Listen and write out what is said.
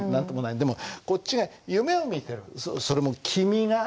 でもこっちが夢を見てるそれも君が夢を見てる。